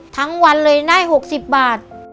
ทั้งวันเลยได้๖๐บาท